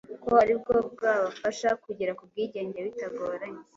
ko ari bwo bwabafasha kugera ku bwigenge bitagoranye,